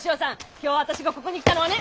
今日私がここに来たのはね！